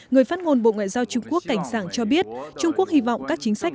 người phát ngôn bộ ngoại giao trung quốc cảnh sảng cho biết trung quốc hy vọng các chính sách